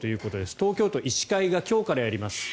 東京都医師会が今日からやります。